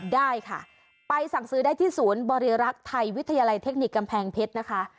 ได้ค่ะไปสั่งซื้อได้ที่ศูนย์บริรักษ์ไทยวิทยาลัยเทคนิคกำแพงเพชรนะคะ